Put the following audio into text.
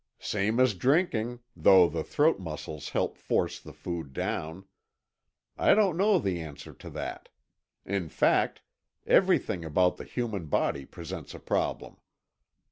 "Same as drinking, though the throat muscles help force the food down. I don't know the answer to that. In fact, everything about the human body presents a problem.